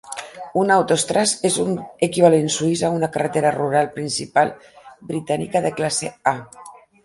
Una "Autostrasse" és un equivalent suïs a una carretera rural principal britànica de classe "A".